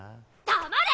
黙れ！